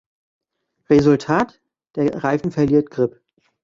Resultat: Der Reifen verliert Grip.